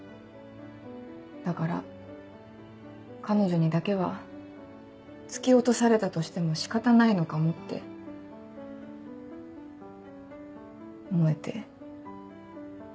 だから彼女にだけは突き落とされたとしても仕方ないのかもって思えて。